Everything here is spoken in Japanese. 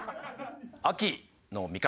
「秋の味覚」。